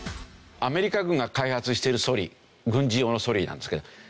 アメリカ軍が開発しているソリ軍事用のソリなんですけど。